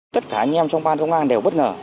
tất cả anh em trong ban công an đều bất ngờ